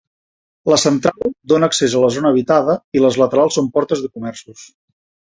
La central dóna accés a la zona habitada i les laterals són portes de comerços.